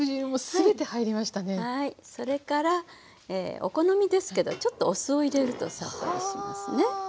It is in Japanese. それからお好みですけどちょっとお酢を入れるとさっぱりしますね。